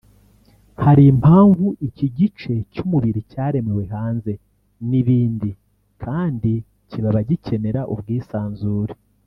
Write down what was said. Hari impamvu iki gice cy’umubiri cyaremewe hanze y’ibindi kandi kibaba gikenera ubwisanzure